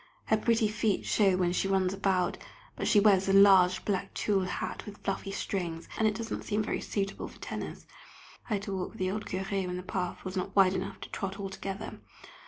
Her pretty feet show when she runs about, but she wears a large black tulle hat with fluffy strings, and it does not seem very suitable for tennis. I had to walk with the old Curé when the path was not wide enough to trot all together.